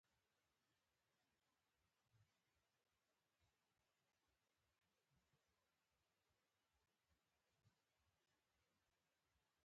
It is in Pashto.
که ژوند باقي وو را ستنېږمه د خدای په امان